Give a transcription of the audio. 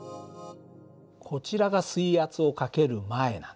こちらが水圧をかける前なんだよね。